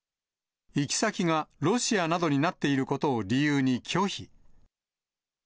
行き先がロシアなどになっていることを理由に拒否。